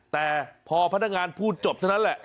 แต่พอพนักงานพูดจบเท่านั้นแหละ